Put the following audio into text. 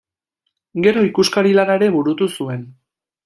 Gero ikuskari lana ere burutu zuen.